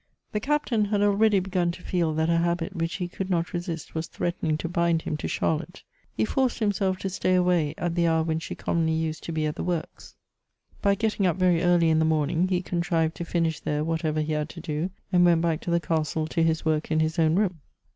The Captain had already begun to feel that a habit which he could not resist was threatening to bind him to Charlotte. lie forced himself to stay away at the hour when she commonly used to be at the works; by getting 72 Goethe's up very early in the morning he contrived to finish there whatever he had to do, and went back to the castle to his work in his own room.